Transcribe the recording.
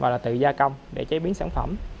hoặc là tự gia công để chế biến sản phẩm